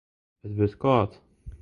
It wurdt kâld.